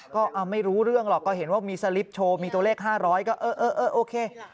ก็ไม่รู้เรื่องหรอกก็เห็นว่ามีสลิปโชว์มีตัวเลข๕๐๐ก็เออโอเค